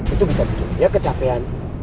itu bisa bikin dia kecapean